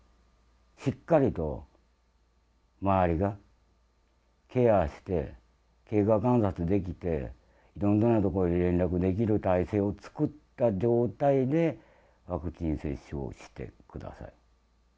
しっかりと周りがケアして、経過観察できて、連絡できる体制を作った状態で、ワクチン接種をしてください。